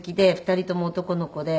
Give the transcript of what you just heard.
２人とも男の子で。